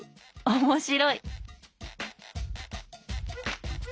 面白い！